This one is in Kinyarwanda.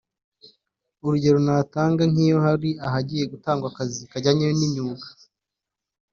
urugero natanga nkiyo hari ahagiye gutangwa akazi kajyanye n’imyuga